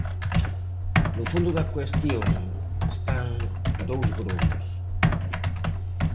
No fondo da cuestión están dous gromos.